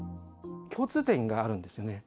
共通点があるんですよね。